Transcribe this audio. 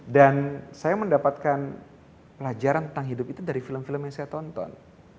dan saya mendapatkan pelajaran tentang hidup itu dari film film yang saya tonton